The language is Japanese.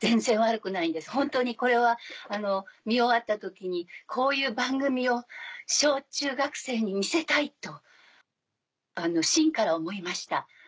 全然悪くないんですホントにこれは見終わった時にこういう番組を小中学生に見せたいと心から思いました。